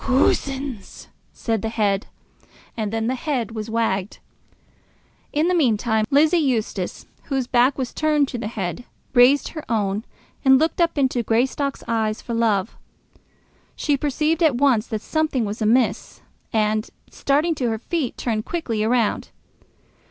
"Coosins!" said the head; and then the head was wagged. In the meantime Lizzie Eustace, whose back was turned to the head, raised her own, and looked up into Greystock's eyes for love. She perceived at once that something was amiss, and, starting to her feet, turned quickly round.